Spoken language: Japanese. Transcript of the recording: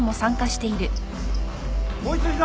もう一度膝。